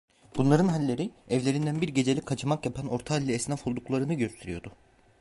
Bunların halleri, evlerinden bir gecelik kaçamak yapan orta halli esnaf olduklarını gösteriyordu.